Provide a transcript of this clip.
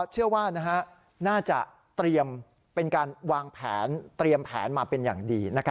เชื่อว่าน่าจะเป็นการเตรียมแผนมาเป็นอย่างดี